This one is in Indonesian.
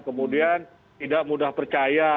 kemudian tidak mudah percaya